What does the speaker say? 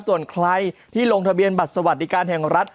ส่วนใครที่ลงทะเบียนบัตรสวัสดิการแห่งรัฐ